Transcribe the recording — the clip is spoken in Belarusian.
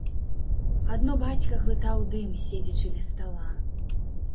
Адно бацька глытаў дым, седзячы ля стала.